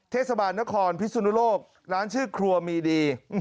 เทศบาลนครพิสุนุโลกร้านชื่อครัวมีดี